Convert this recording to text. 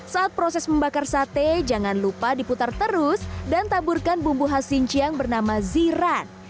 saat proses membakar sate jangan lupa diputar terus dan taburkan bumbu khas xinjiang bernama ziran